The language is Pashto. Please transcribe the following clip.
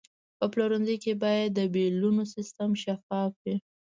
په پلورنځي کې باید د بیلونو سیستم شفاف وي.